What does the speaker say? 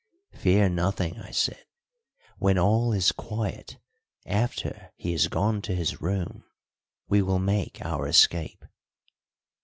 "Fear nothing," I said. "When all is quiet, after he has gone to his room, we will make our escape."